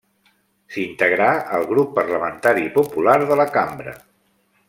S'integrà al Grup Parlamentari Popular de la cambra.